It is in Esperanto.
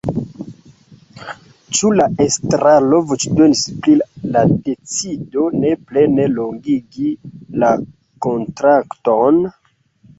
Ĉu la estraro voĉdonis pri la decido ne plene longigi la kontrakton?